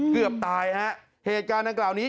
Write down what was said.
เกือบตายฮะเหตุการณ์ดังกล่าวนี้